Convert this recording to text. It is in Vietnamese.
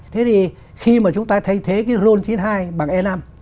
thế thì khi mà chúng ta thay thế cái ron chín mươi hai bằng e năm